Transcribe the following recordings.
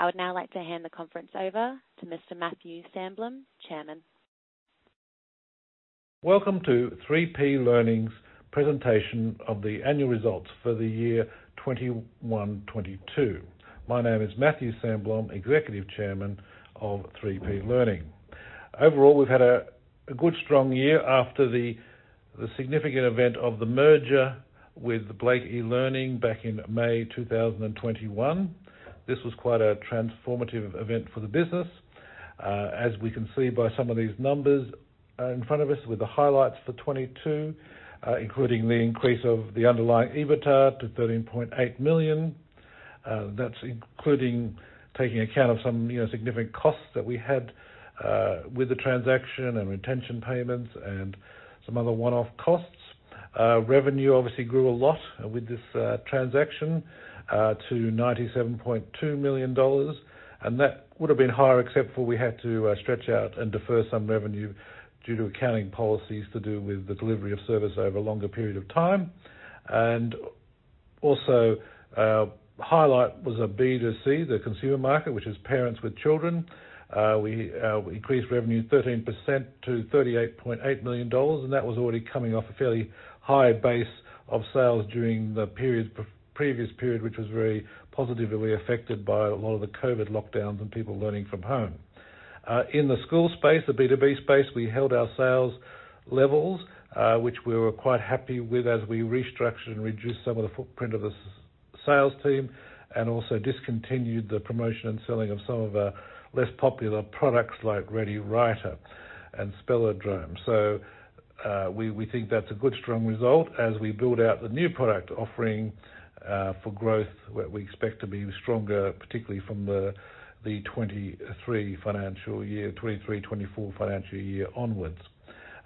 I would now like to hand the conference over to Mr. Matthew Sandblom, Chairman. Welcome to 3P Learning's presentation of the annual results for the year 2021-2022. My name is Matthew Sandblom, Executive Chairman of 3P Learning. Overall, we've had a good, strong year after the significant event of the merger with Blake eLearning back in May 2021. This was quite a transformative event for the business. As we can see by some of these numbers in front of us with the highlights for 2022, including the increase of the underlying EBITDA to $13.8 million. That's including taking account of some, you know, significant costs that we had with the transaction and retention payments and some other one-off costs. Revenue obviously grew a lot with this transaction to $97.2 million. That would've been higher except for we had to stretch out and defer some revenue due to accounting policies to do with the delivery of service over a longer period of time. Highlight was a B2C, the consumer market, which is parents with children. We increased revenue 13% to $38.8 million, and that was already coming off a fairly high base of sales during the previous period, which was very positively affected by a lot of the COVID lockdowns and people learning from home. In the school space, the B2B space, we held our sales levels, which we were quite happy with as we restructured and reduced some of the footprint of the sales team, and also discontinued the promotion and selling of some of our less popular products like Ready Writer and Spellodrome. We think that's a good strong result, as we build out the new product offering for growth, where we expect to be stronger, particularly from the 2023-2024 financial year onwards.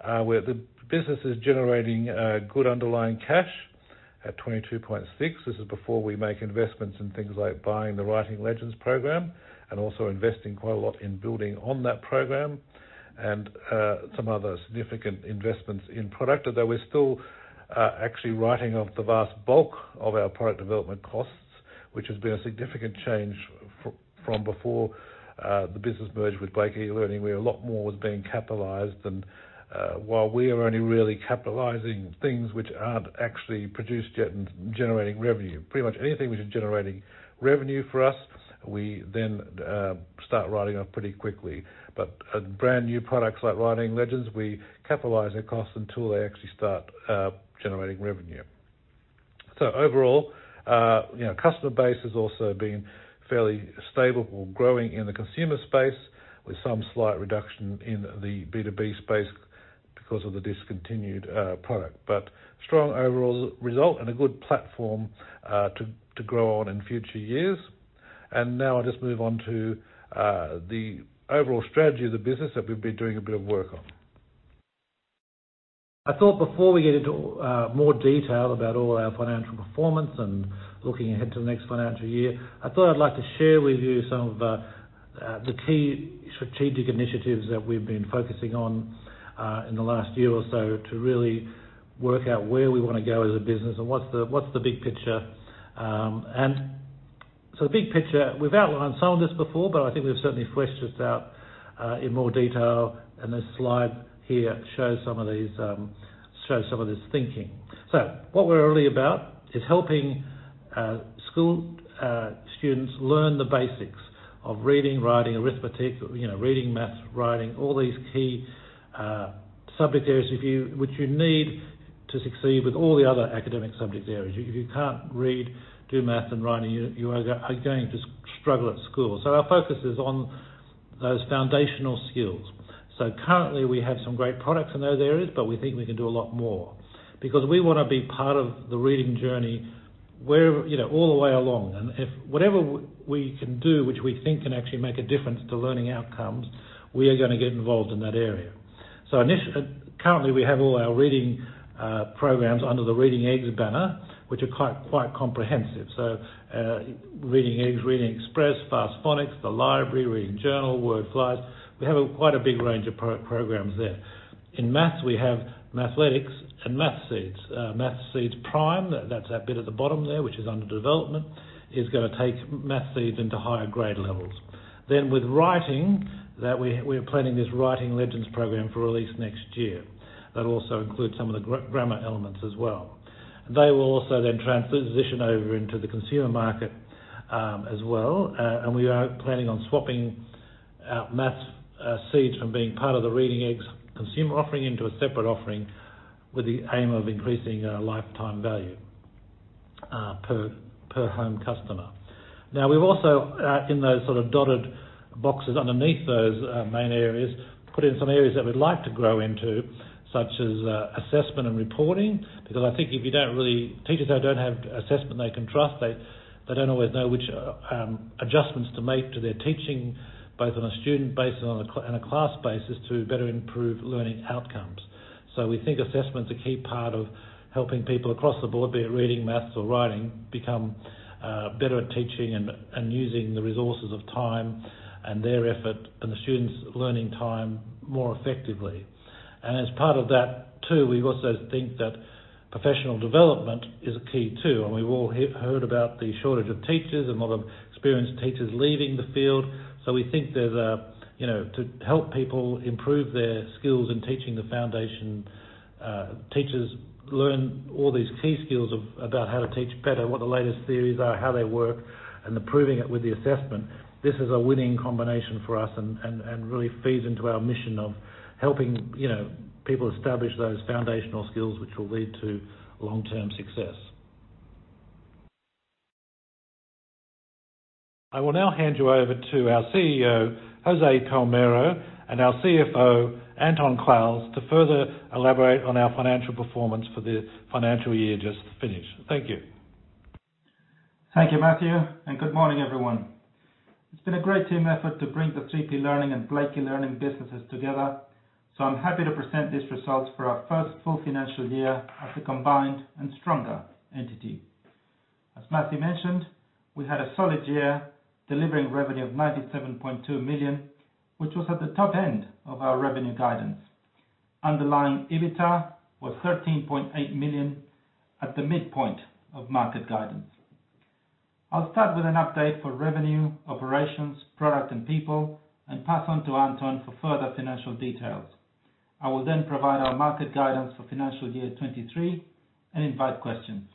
The business is generating good underlying cash at $22.6 million. This is before we make investments in things like buying the Writing Legends program and also investing quite a lot in building on that program, and some other significant investments in product. Although we're still actually writing off the vast bulk of our product development costs, which has been a significant change from before the business merged with Blake eLearning, where a lot more was being capitalized. While we are only really capitalizing things which aren't actually produced yet and generating revenue. Pretty much anything which is generating revenue for us, we then start writing off pretty quickly. Brand new products like Writing Legends, we capitalize their costs until they actually start generating revenue. Overall, you know, customer base has also been fairly stable or growing in the consumer space, with some slight reduction in the B2B space because of the discontinued product. Strong overall result and a good platform to grow on in future years. Now I'll just move on to the overall strategy of the business that we've been doing a bit of work on. I thought before we get into more detail about all our financial performance and looking ahead to the next financial year, I thought I'd like to share with you some of the key strategic initiatives that we've been focusing on in the last year or so to really work out where we wanna go as a business and what's the big picture. The big picture, we've outlined some of this before, but I think we've certainly fleshed this out in more detail. This slide here shows some of this thinking. What we're really about is helping school students learn the basics of reading, writing, arithmetic. You know, reading, math, writing, all these key subject areas, which you need to succeed with all the other academic subject areas. If you can't read, do math, and writing, you are going to struggle at school. Our focus is on those foundational skills. Currently, we have some great products in those areas, but we think we can do a lot more. We wanna be part of the reading journey where you know, all the way along. If whatever we can do, which we think can actually make a difference to learning outcomes, we are gonna get involved in that area. Currently, we have all our reading programs under the Reading Eggs banner, which are quite comprehensive. Reading Eggs, Reading Eggspress, Fast Phonics, The Library, Reading Journal, WordFlyers. We have quite a big range of programs there. In math, we have Mathletics and Mathseeds. Mathseeds Prime, that's that bit at the bottom there, which is under development, is gonna take Mathseeds into higher grade levels. With writing, we're planning this Writing Legends program for release next year. That'll also include some of the grammar elements as well. They will also transition over into the consumer market, as well. We are planning on swapping out Mathseeds from being part of the Reading Eggs consumer offering into a separate offering with the aim of increasing our lifetime value per home customer. Now we've also in those sort of dotted boxes underneath those main areas, put in some areas that we'd like to grow into, such as assessment and reporting. Because I think if you don't teachers that don't have assessment they can trust, they don't always know which adjustments to make to their teaching, both on a student basis and on a class basis, to better improve learning outcomes. We think assessment's a key part of helping people across the board, be it reading, math, or writing, become better at teaching and using the resources of time and their effort and the students' learning time more effectively. As part of that too, we also think that professional development is key too. We've all heard about the shortage of teachers and a lot of experienced teachers leaving the field. We think there's a, you know, to help people improve their skills in teaching the foundation, teachers learn all these key skills of about how to teach better, what the latest theories are, how they work, and then proving it with the assessment. This is a winning combination for us and really feeds into our mission of helping, you know, people establish those foundational skills which will lead to long-term success. I will now hand you over to our CEO, Jose Palmero, and our CFO, Anton Clowes, to further elaborate on our financial performance for the financial year just finished. Thank you. Thank you, Matthew, and good morning, everyone. It's been a great team effort to bring the 3P Learning and Blake eLearning businesses together, so I'm happy to present these results for our first full financial year as a combined and stronger entity. As Matthew mentioned, we had a solid year delivering revenue of $97.2 million, which was at the top end of our revenue guidance. Underlying EBITDA was $13.8 million at the midpoint of market guidance. I'll start with an update for revenue, operations, product, and people, and pass on to Anton for further financial details. I will then provide our market guidance for financial year 2023 and invite questions.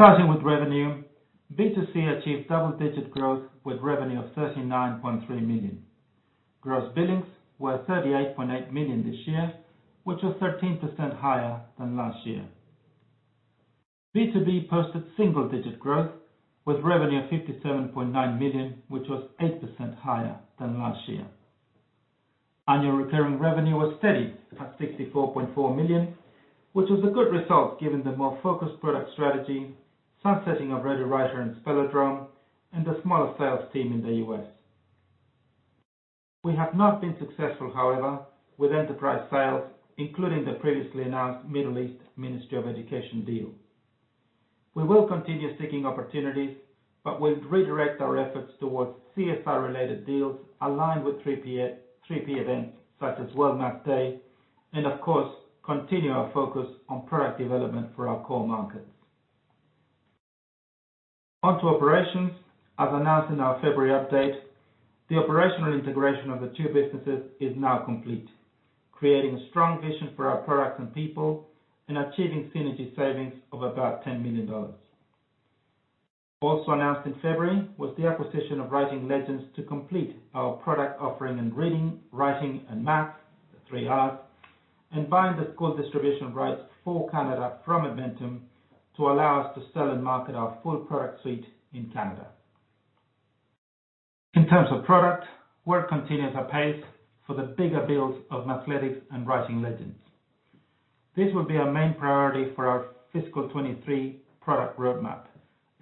Starting with revenue, B2C achieved double-digit growth with revenue of $39.3 million. Gross billings were $38.8 million this year, which was 13% higher than last year. B2B posted single-digit growth with revenue of $57.9 million, which was 8% higher than last year. Annual recurring revenue was steady at $64.4 million, which was a good result given the more focused product strategy, sunsetting of Ready Writer and Spellodrome, and the smaller sales team in the U.S. We have not been successful, however, with enterprise sales, including the previously announced Middle East Ministry of Education deal. We will continue seeking opportunities, but we'll redirect our efforts towards CSR-related deals aligned with 3P events, such as World Maths Day, and of course, continue our focus on product development for our core markets. On to operations. As announced in our February update, the operational integration of the two businesses is now complete, creating a strong vision for our products and people and achieving synergy savings of about $10 million. Also announced in February was the acquisition of Writing Legends to complete our product offering in reading, writing, and math, the three R's, and buying the school distribution rights for Canada from Edmentum to allow us to sell and market our full product suite in Canada. In terms of product, work continues apace for the bigger builds of Mathletics and Writing Legends. This will be our main priority for our fiscal 2023 product roadmap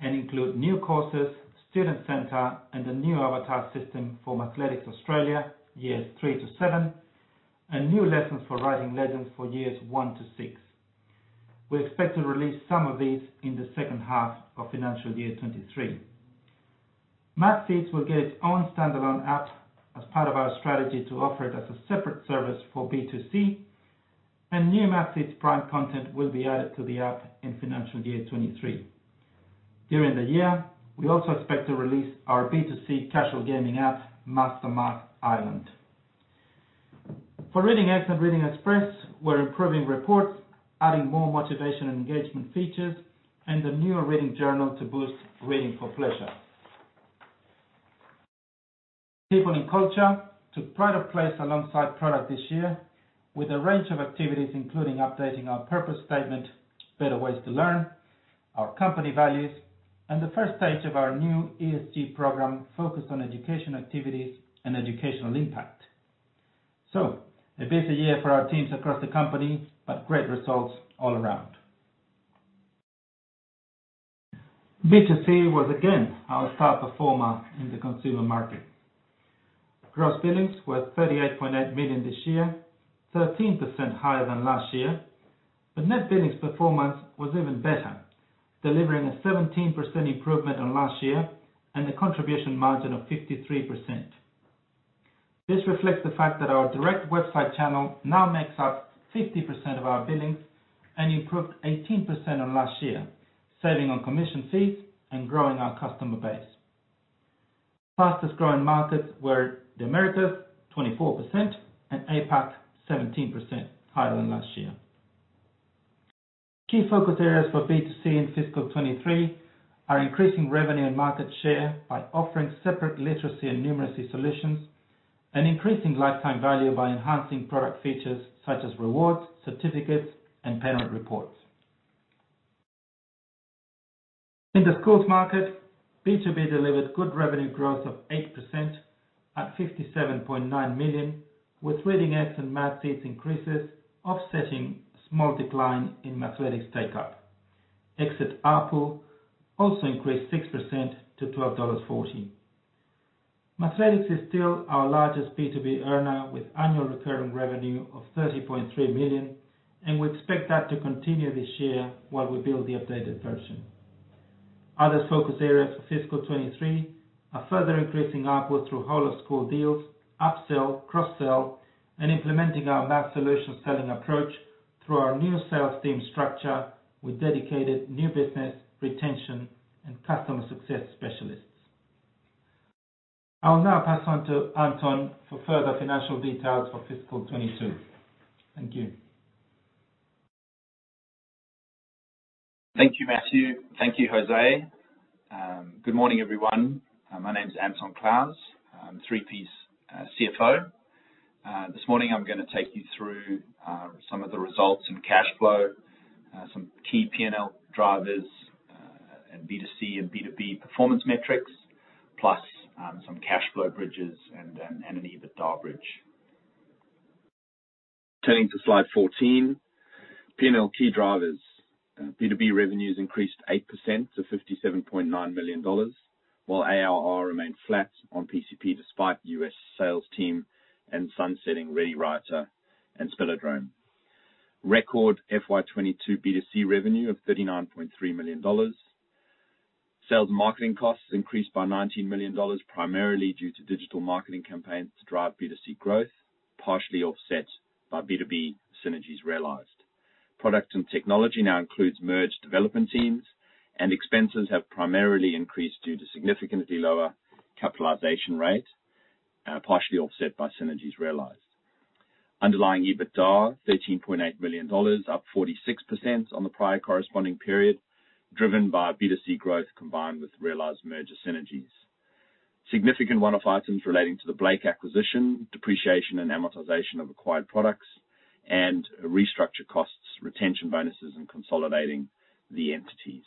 and include new courses, student center, and a new avatar system for Mathletics Australia, years three to seven, and new lessons for Writing Legends for years one to six. We expect to release some of these in the second half of financial year 2023. Mathseeds will get its own standalone app as part of our strategy to offer it as a separate service for B2C, and new Mathseeds Prime content will be added to the app in financial year 2023. During the year, we also expect to release our B2C casual gaming app, Master Math Island. For Reading Eggs and Reading Eggspress, we're improving reports, adding more motivation and engagement features, and a newer Reading Journal to boost reading for pleasure. People and culture took pride of place alongside product this year, with a range of activities including updating our purpose statement, better ways to learn, our company values, and the first stage of our new ESG program, focused on education activities and educational impact. A busy year for our teams across the company, but great results all around. B2C was again our star performer in the consumer market. Gross billings were $38.8 million this year, 13% higher than last year, but net billings performance was even better, delivering a 17% improvement on last year and a contribution margin of 53%. This reflects the fact that our direct website channel now makes up 50% of our billings and improved 18% on last year, saving on commission fees and growing our customer base. Fastest growing markets were the Americas, 24%, and APAC, 17%, higher than last year. Key focus areas for B2C in fiscal 2023 are increasing revenue and market share by offering separate literacy and numeracy solutions and increasing lifetime value by enhancing product features such as rewards, certificates, and parent reports. In the schools market, B2B delivered good revenue growth of 8% at $57.9 million, with Reading Eggs and Mathseeds increases offsetting a small decline in Mathletics take-up. Exit ARPU also increased 6% to $12.40. Mathletics is still our largest B2B earner, with annual recurring revenue of $30.3 million, and we expect that to continue this year while we build the updated version. Other focus areas for fiscal 2023 are further increasing output through whole school deals, upsell, cross-sell, and implementing our math solution selling approach through our new sales team structure with dedicated new business retention and customer success specialists. I'll now pass on to Anton for further financial details for fiscal 2022. Thank you. Thank you, Matthew. Thank you, Jose. Good morning, everyone. My name is Anton Clowes. I'm 3P's CFO. This morning I'm gonna take you through some of the results in cash flow, some key P&L drivers, and B2C and B2B performance metrics, plus, some cash flow bridges and, an EBITDA bridge. Turning to slide 14, P&L key drivers. B2B revenues increased 8% to $57.9 million, while ARR remained flat on PCP despite the U.S. sales team and sunsetting Ready Writer and Spellodrome. Record FY 2022 B2C revenue of $39.3 million. Sales marketing costs increased by $19 million, primarily due to digital marketing campaigns to drive B2C growth, partially offset by B2B synergies realized. Products and technology now includes merged development teams, and expenses have primarily increased due to a significantly lower capitalization rate, partially offset by synergies realized. Underlying EBITDA, $13.8 million, up 46% on the prior corresponding period, driven by B2C growth combined with realized merger synergies. Significant one-off items relating to the Blake acquisition, depreciation and amortization of acquired products and restructure costs, retention bonuses, and consolidating the entities.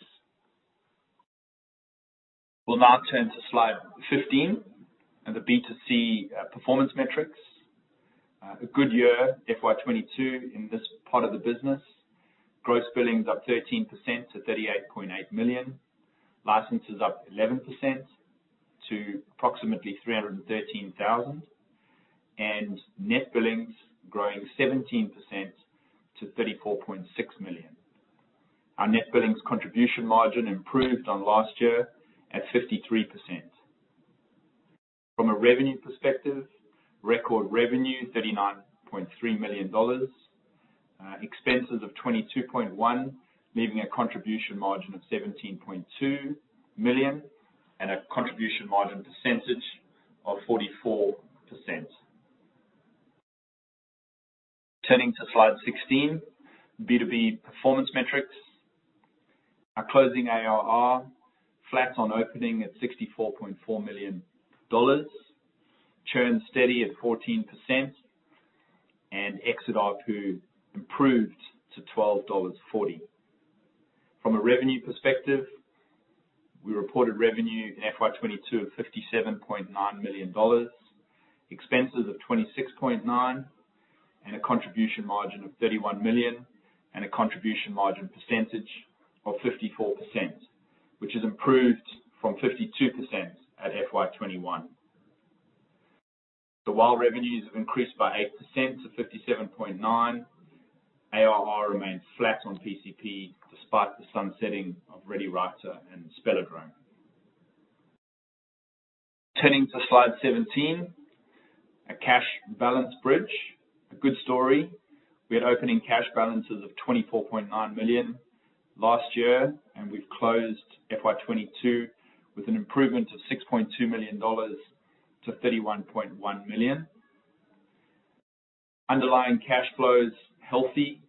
We'll now turn to slide 15 and the B2C performance metrics. A good year, FY 2022, in this part of the business. Gross billings up 13% to $38.8 million. Licenses up 11% to approximately 313,000. Net billings growing 17% to $34.6 million. Our net billings contribution margin improved on last year at 53%. From a revenue perspective, record revenue, $39.3 million. Expenses of $22.1, leaving a contribution margin of $17.2 million and a contribution margin percentage of 44%. Turning to slide 16, B2B performance metrics. Our closing ARR flat on opening at $64.4 million. Churn steady at 14%. Exit ARPU improved to $12.40. From a revenue perspective, we reported revenue in FY 2022 of $57.9 million, expenses of $26.9, and a contribution margin of $31 million, and a contribution margin percentage of 54%, which has improved from 52% at FY 2021. While revenues have increased by 8% to $57.9 million, ARR remains flat on PCP despite the sunsetting of Ready Writer and Spellodrome. Turning to slide 17, our cash balance bridge. A good story. We had opening cash balances of $24.9 million last year, and we've closed FY 2022 with an improvement of $6.2 million to $31.1 million. Underlying cash flows healthy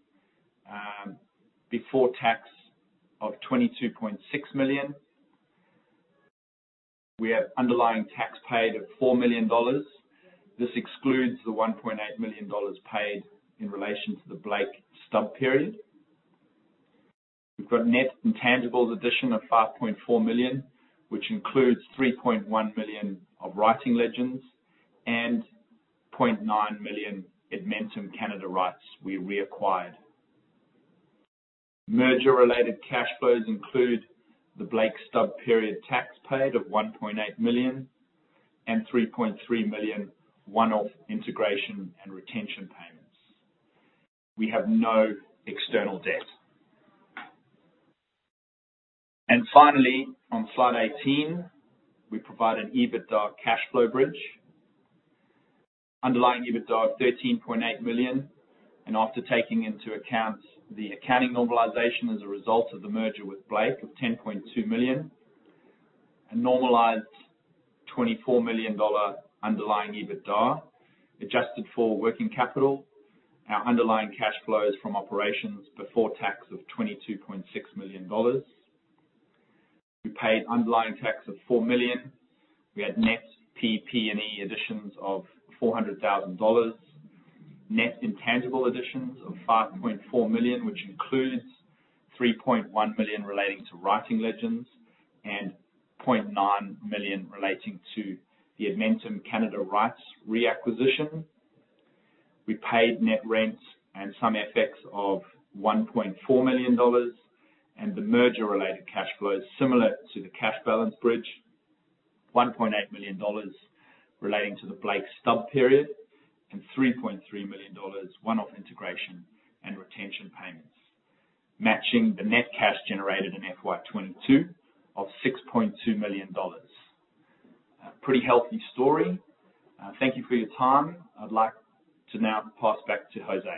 before tax of $22.6 million. We have underlying tax paid of $4 million. This excludes the $1.8 million paid in relation to the Blake stub period. We've got net intangibles addition of $5.4 million, which includes $3.1 million of Writing Legends and $0.9 million of Edmentum Canada rights we reacquired. Merger-related cash flows include the Blake stub period tax paid of $1.8 million and $3.3 million one-off integration and retention payments. We have no external debt. Finally, on slide 18, we provide an EBITDA cash flow bridge. Underlying EBITDA of $13.8 million, after taking into account the accounting normalization as a result of the merger with Blake of $10.2 million. A normalized $24 million underlying EBITDA. Adjusted for working capital, our underlying cash flows from operations before tax of $22.6 million. We paid underlying tax of $4 million. We had net PP&E additions of $400,000. Net intangible additions of $5.4 million, which includes $3.1 million relating to Writing Legends and $0.9 million relating to the Edmentum Canada rights reacquisition. We paid net rents and some effects of $1.4 million, and the merger-related cash flows similar to the cash balance bridge, $1.8 million relating to the Blake stub period, and $3.3 million one-off integration and retention payments, matching the net cash generated in FY 2022 of $6.2 million. Pretty healthy story. Thank you for your time. I'd like to now pass back to Jose.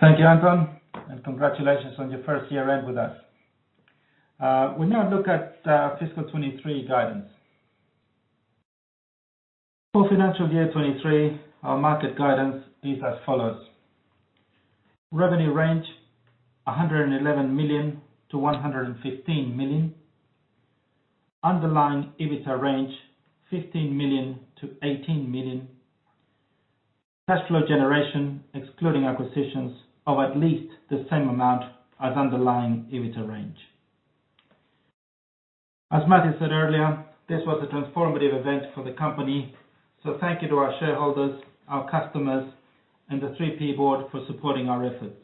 Thank you, Anton, and congratulations on your first year-end with us. We now look at fiscal 2023 guidance. For financial year 2023, our market guidance is as follows. Revenue range, $111 million-$115 million. Underlying EBITDA range, $15 million-$18 million. Cash flow generation, excluding acquisitions, of at least the same amount as underlying EBITDA range. As Matthew said earlier, this was a transformative event for the company, so thank you to our shareholders, our customers, and the 3P board for supporting our efforts.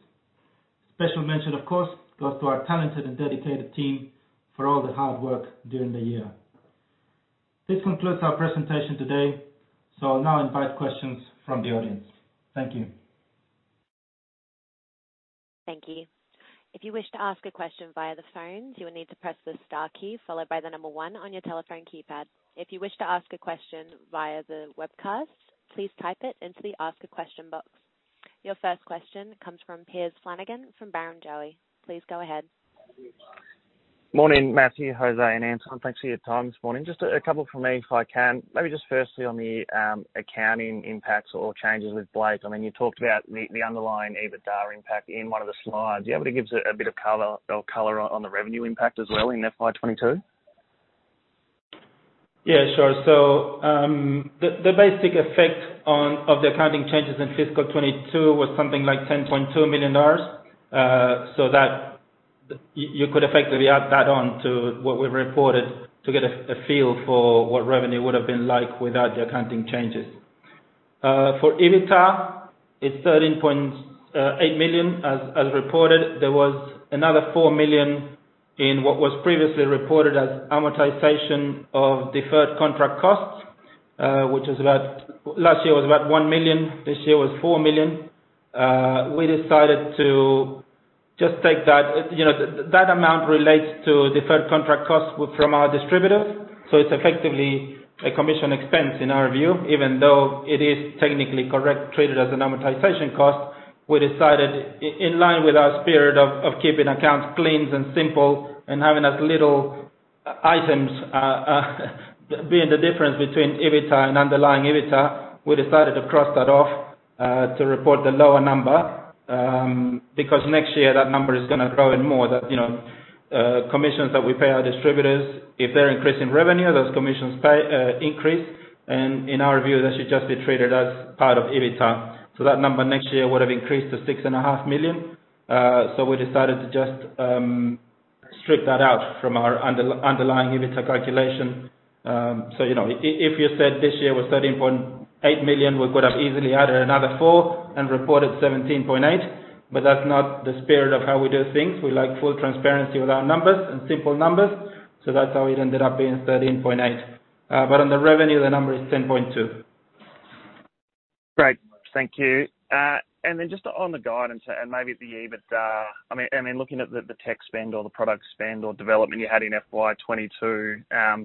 Special mention, of course, goes to our talented and dedicated team for all the hard work during the year. This concludes our presentation today, so I'll now invite questions from the audience. Thank you. Thank you. If you wish to ask a question via the phone, you will need to press the star key followed by the number one on your telephone keypad. If you wish to ask a question via the webcast, please type it into the ask a question box. Your first question comes from Piers Flanagan from Barrenjoey. Please go ahead. Morning, Matthew, Jose, and Anton. Thanks for your time this morning. Just a couple from me, if I can. Maybe just firstly on the accounting impacts or changes with Blake. I mean, you talked about the underlying EBITDA impact in one of the slides. You able to give us a bit of color on the revenue impact as well in FY 2022? Yeah, sure. The basic effect of the accounting changes in fiscal 2022 was something like $10.2 million, so that you could effectively add that on to what we reported to get a feel for what revenue would have been like without the accounting changes. For EBITDA, it's $13.8 million. As reported, there was another $4 million in what was previously reported as amortization of deferred contract costs, which is about. Last year was about $1 million, this year was $4 million. We decided to just take that. You know, that amount relates to deferred contract costs from our distributors, so it's effectively a commission expense in our view, even though it is technically correct, treated as an amortization cost. We decided in line with our spirit of keeping accounts clean and simple and having as little items being the difference between EBITDA and underlying EBITDA, we decided to cross that off to report the lower number, because next year that number is gonna grow and more than that, you know, commissions that we pay our distributors, if they're increasing revenue, those commissions increase. In our view, that should just be treated as part of EBITDA. That number next year would have increased to $6.5 million. We decided to just strip that out from our underlying EBITDA calculation. You know, if you said this year was $13.8 million, we could have easily added another $4 million and reported $17.8 million, but that's not the spirit of how we do things. We like full transparency with our numbers and simple numbers. That's how it ended up being $13.8. On the revenue, the number is $10.2. Great. Thank you. Just on the guidance and maybe the EBITDA, I mean, looking at the tech spend or the product spend or development you had in FY 2022,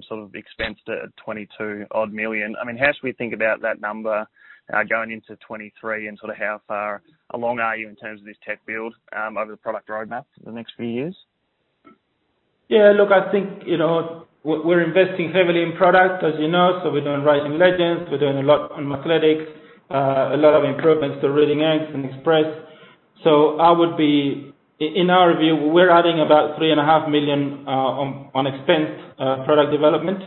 sort of expensed at $22-odd million. I mean, how should we think about that number, going into 2023, and sort of how far along are you in terms of this tech build, over the product roadmap for the next few years? Yeah, look, I think, you know, we're investing heavily in product, as you know, so we're doing Writing Legends, we're doing a lot on Mathletics, a lot of improvements to Reading Eggs and Reading Eggspress. In our view, we're adding about $3.5 million on expense, product development.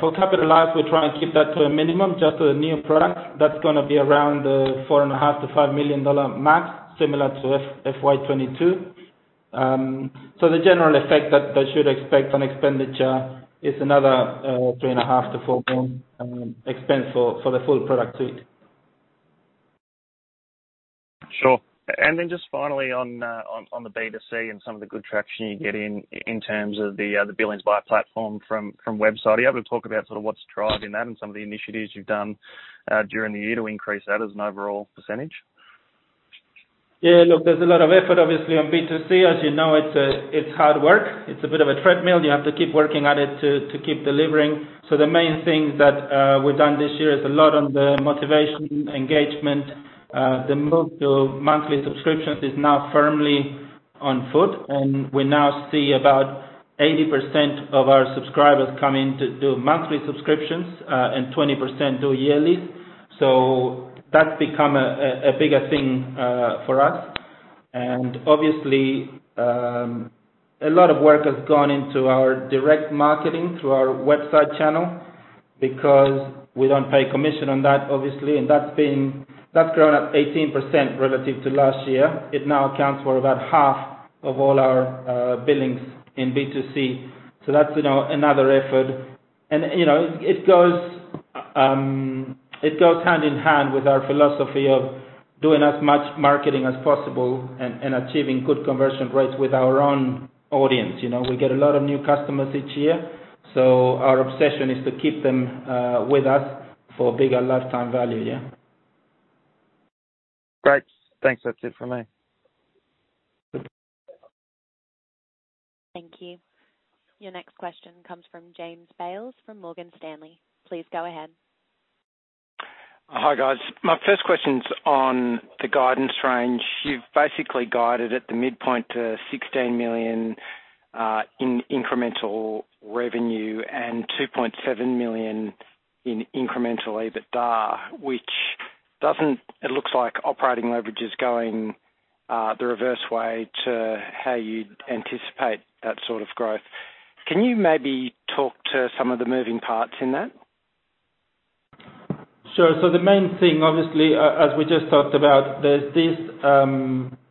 For capitalized, we're trying to keep that to a minimum. Just the new products, that's gonna be around $4.5 million-$5 million dollar max, similar to FY 2022. The general effect that they should expect on expenditure is another 3.5 to 4 point expense for the full product suite. Sure. Just finally on the B2C and some of the good traction you're getting in terms of the billings by platform from website. Are you able to talk about sort of what's driving that and some of the initiatives you've done during the year to increase that as an overall percentage? Yeah, look, there's a lot of effort obviously on B2C. As you know, it's hard work. It's a bit of a treadmill. You have to keep working at it to keep delivering. The main things that we've done this year is a lot on the motivation, engagement. The move to monthly subscriptions is now firmly afoot, and we now see about 80% of our subscribers coming to do monthly subscriptions, and 20% do yearly. That's become a bigger thing for us. Obviously, a lot of work has gone into our direct marketing through our website channel because we don't pay commission on that, obviously. That's grown at 18% relative to last year. It now accounts for about half of all our billings in B2C. That's, you know, another effort. You know, it goes hand in hand with our philosophy of doing as much marketing as possible and achieving good conversion rates with our own audience. You know, we get a lot of new customers each year, so our obsession is to keep them with us for bigger lifetime value. Yeah. Great. Thanks. That's it for me. Good. Thank you. Your next question comes from James Bales from Morgan Stanley. Please go ahead. Hi, guys. My first question's on the guidance range. You've basically guided at the midpoint to $16 million in incremental revenue and $2.7 million in incremental EBITDA, which doesn't. It looks like operating leverage is going the reverse way to how you'd anticipate that sort of growth. Can you maybe talk to some of the moving parts in that? Sure. The main thing, obviously, as we just talked about, there's this,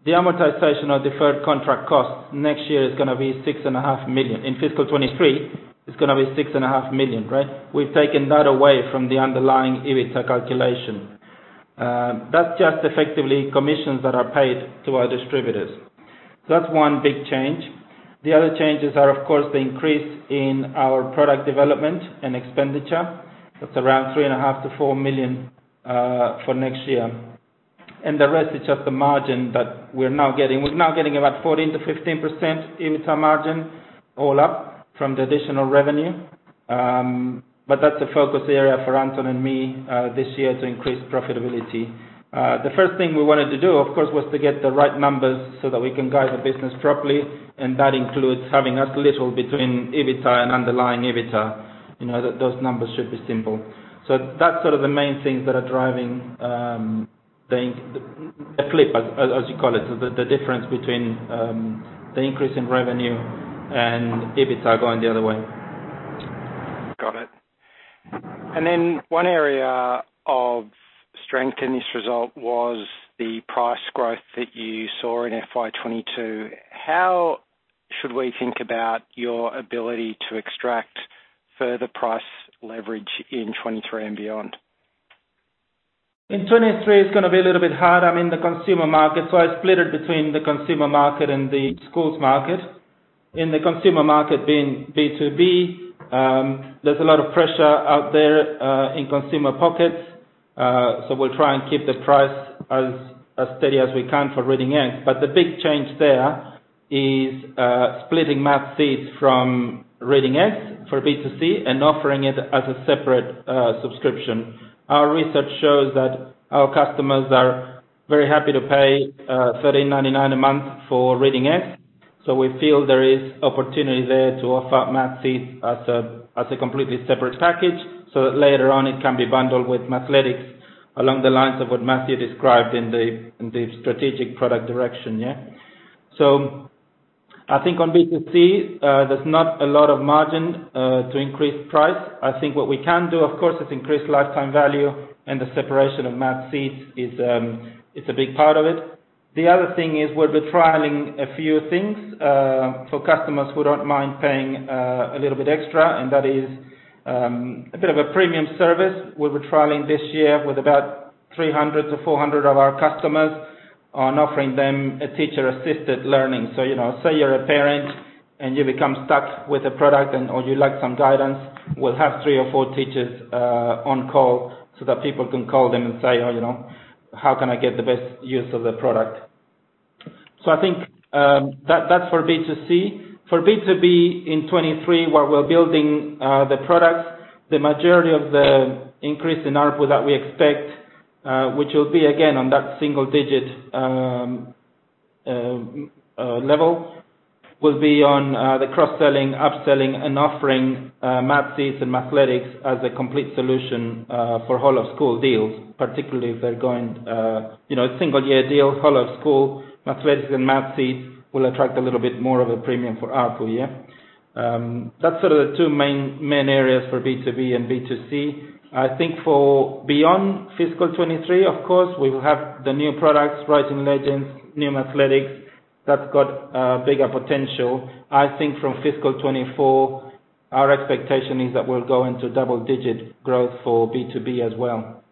the amortization of deferred contract costs next year is gonna be $6.5 million. In fiscal 2023, it's gonna be $6.5 million, right? We've taken that away from the underlying EBITDA calculation. That's just effectively commissions that are paid to our distributors. That's one big change. The other changes are, of course, the increase in our product development and expenditure. That's around $3.5 million-$4 million for next year. The rest is just the margin that we're now getting. We're now getting about 14%-15% EBITDA margin all up from the additional revenue. That's a focus area for Anton and me this year to increase profitability. The first thing we wanted to do, of course, was to get the right numbers so that we can guide the business properly, and that includes having as little between EBITDA and underlying EBITDA, you know. Those numbers should be simple. That's sort of the main things that are driving the flip, as you call it. The difference between the increase in revenue and EBITDA going the other way. Got it. One area of strength in this result was the price growth that you saw in FY 2022. How should we think about your ability to extract further price leverage in 2023 and beyond? In 2023, it's gonna be a little bit hard. I'm in the consumer market, so I split it between the consumer market and the schools market. In the consumer market, being B2B, there's a lot of pressure out there in consumer pockets. We'll try and keep the price as steady as we can for Reading Eggs. The big change there is splitting Mathseeds from Reading Eggs for B2C and offering it as a separate subscription. Our research shows that our customers are very happy to pay $13.99 a month for Reading Eggs, so we feel there is opportunity there to offer Mathseeds as a completely separate package so that later on it can be bundled with Mathletics along the lines of what Matthew described in the strategic product direction. I think on B2C, there's not a lot of margin to increase price. I think what we can do, of course, is increase lifetime value, and the separation of Mathseeds is, it's a big part of it. The other thing is we'll be trialing a few things for customers who don't mind paying a little bit extra, and that is, a bit of a premium service we'll be trialing this year with about 300-400 of our customers on offering them a teacher-assisted learning. You know, say you're a parent and you become stuck with a product and, or you lack some guidance, we'll have three or four teachers on call so that people can call them and say, "Oh, you know, how can I get the best use of the product?" I think that's for B2C. For B2B in 2023, where we're building the products, the majority of the increase in ARPU that we expect, which will be again on that single-digit level, will be on the cross-selling, up-selling and offering Mathseeds and Mathletics as a complete solution for whole of school deals, particularly if they're going, you know, single year deal whole of school, Mathletics and Mathseeds will attract a little bit more of a premium for ARPU. Yeah. That's sort of the two main areas for B2B and B2C. I think for beyond fiscal 2023, of course, we will have the new products, Writing Legends, new Mathletics, that's got a bigger potential. I think from fiscal 2024, our expectation is that we'll go into double-digit growth for B2B as well.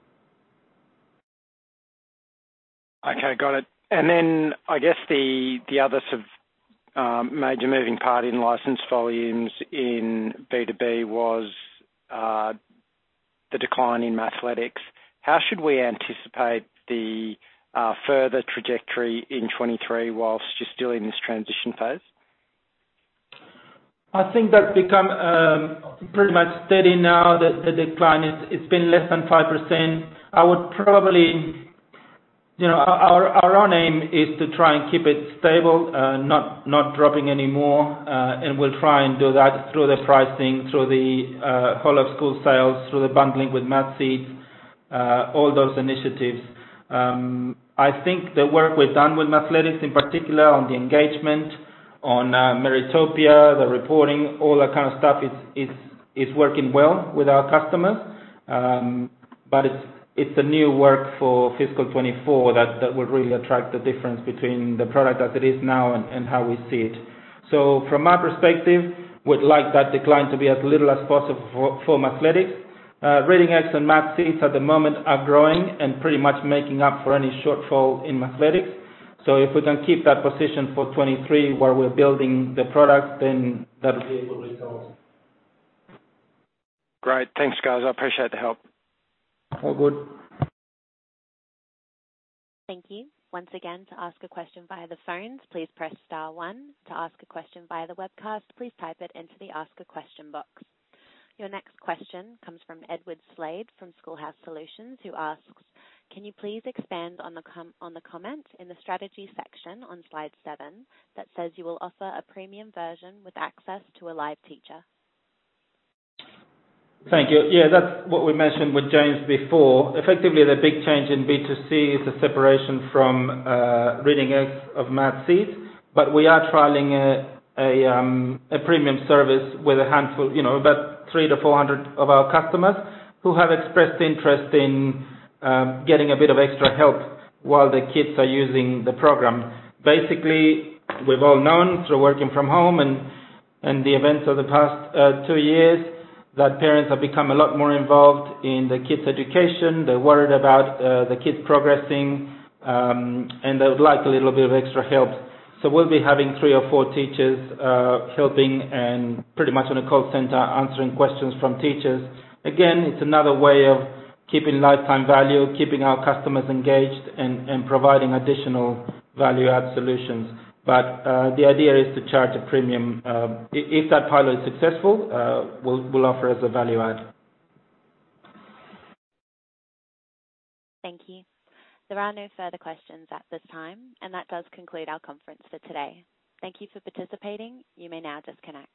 Okay, got it. I guess the other sort of major moving part in license volumes in B2B was the decline in Mathletics. How should we anticipate the further trajectory in 2023 while you're still in this transition phase? I think that's become pretty much steady now. The decline it's been less than 5%. I would probably you know, our own aim is to try and keep it stable, not dropping any more, and we'll try and do that through the pricing, through the whole of school sales, through the bundling with Mathseeds, all those initiatives. I think the work we've done with Mathletics, in particular, on the engagement, on Meritopia, the reporting, all that kind of stuff is working well with our customers. It's a new work for fiscal 2024 that will really attract the difference between the product as it is now and how we see it. From our perspective, we'd like that decline to be as little as possible for Mathletics. Reading Eggs and Mathseeds at the moment are growing and pretty much making up for any shortfall in Mathletics. If we can keep that position for 2023 while we're building the product, then that'll be a good result. Great. Thanks, guys. I appreciate the help. All good. Thank you. Once again, to ask a question via the phones, please press star one. To ask a question via the webcast, please type it into the ask a question box. Your next question comes from Edward Slade from Schoolhouse Solutions, who asks, Can you please expand on the comment in the strategy section on slide seven that says you will offer a premium version with access to a live teacher? Thank you. Yeah, that's what we mentioned with James before. Effectively, the big change in B2C is the separation from Reading Eggs of Mathseeds. We are trialing a premium service with a handful, you know, about 300-400 of our customers who have expressed interest in getting a bit of extra help while the kids are using the program. Basically, we've all known through working from home and the events of the past two years, that parents have become a lot more involved in the kids' education. They're worried about the kids progressing, and they would like a little bit of extra help. We'll be having three or four teachers helping and pretty much on a call center answering questions from teachers. Again, it's another way of keeping lifetime value, keeping our customers engaged and providing additional value add solutions. The idea is to charge a premium. If that pilot is successful, we'll offer as a value add. Thank you. There are no further questions at this time, and that does conclude our conference for today. Thank you for participating. You may now disconnect.